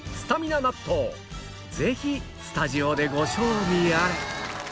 ぜひスタジオでご賞味あれ